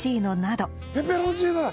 ペペロンチーノだ！